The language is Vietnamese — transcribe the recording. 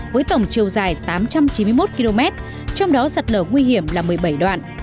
với tổng chiều dài tám trăm chín mươi một km trong đó sạt lở nguy hiểm là một mươi bảy đoạn